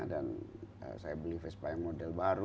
dan saya beli vespa yang model baru